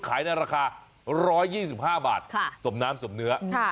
ในราคา๑๒๕บาทสมน้ำสมเนื้อ